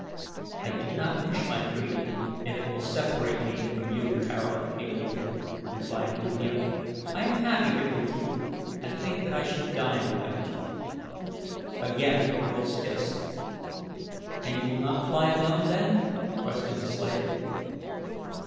"I do not wish my freedom if it will separate me from you, Tara of Helium," replied Uthia. "I am happy here with you I think that I should die without you." Again the girls kissed. "And you will not fly alone, then?" questioned the slave.